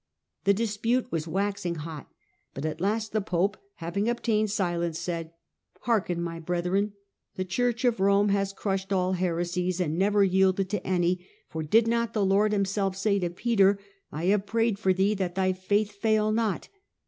The dispute was waxing hot; but at last the pope, having obtained silence, said, 'Hearken, my brethren; the Church of Eome has crushed all heresies, and never yielded to any, for did not the Lord Himself say to Peter, " I have prayed for thee that thy faith fail not"?'